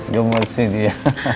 gemes sih dia